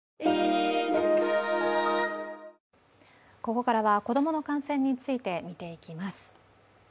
ここからは子供の感染について見ていきます。